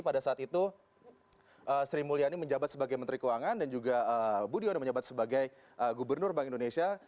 pada saat itu sri mulyani menjabat sebagai menteri keuangan dan juga budiono menjabat sebagai gubernur bank indonesia